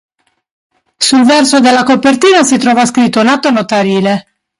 Sul verso della copertina si trova scritto un atto notarile.